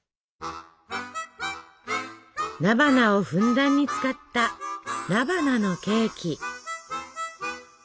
菜花をふんだんに使った菜花のケーキ。